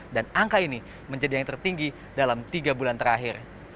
dan angka ini menjadi yang tertinggi dalam tiga bulan terakhir